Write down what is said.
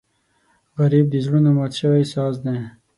غریب د زړونو مات شوی ساز دی